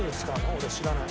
俺知らない。